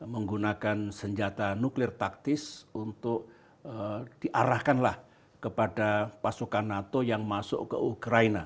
menggunakan senjata nuklir taktis untuk diarahkanlah kepada pasukan nato yang masuk ke ukraina